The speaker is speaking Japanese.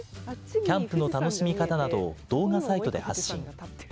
キャンプの楽しみ方などを動画サイトで発信。